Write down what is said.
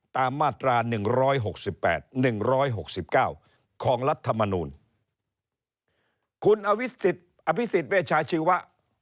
ตามมาตรา๑๖๘๑๖๙ของรัฐมนุนคุณอวิสิตเวชาชีวะ